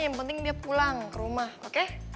yang penting dia pulang ke rumah oke